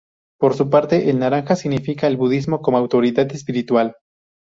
Por su parte, el naranja significa el budismo como autoridad espiritual.